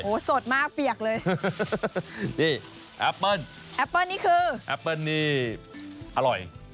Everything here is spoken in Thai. โอ้โหสดมากเปียกเลยนี่แอปเปิ้ลแอปเปิ้ลนี่คือแอปเปิ้ลนี่อร่อย